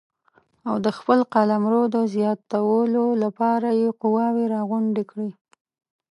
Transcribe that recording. او د خپل قلمرو د زیاتولو لپاره یې قواوې راغونډې کړې.